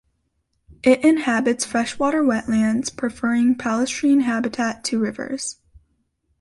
It inhabits freshwater wetlands, preferring palustrine habitat to rivers.